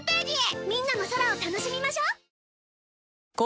みんなも空を楽しみましょう。